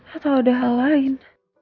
atau ada hal lain